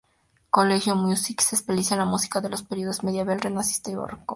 Collegium Musicum se especializa en la música de los periodos medieval, renacentista y barroco.